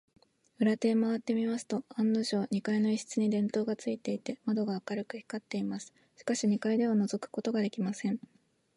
裏手へまわってみますと、案のじょう、二階の一室に電燈がついていて、窓が明るく光っています。しかし、二階ではのぞくことができません。